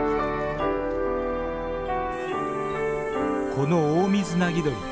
このオオミズナギドリ。